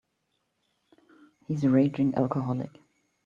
He is a raging alcoholic.